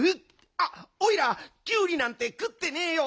あっおいらキュウリなんてくってねえよ。